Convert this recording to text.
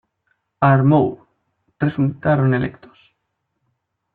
Armour, resultaron electos.